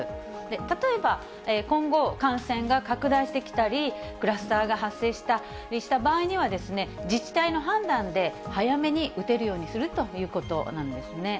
例えば、今後、感染が拡大してきたり、クラスターが発生したりした場合には、自治体の判断で早めに打てるようにするということなんですね。